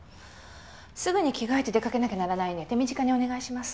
すぐに着替えて出かけなきゃならないんで手短にお願いします。